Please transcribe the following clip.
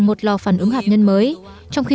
một lò phản ứng hạt nhân mới trong khi